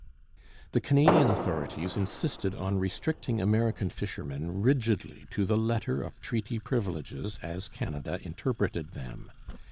The Canadian authorities insisted on restricting American fishermen rigidly to the letter of treaty privileges as Canada interpreted them.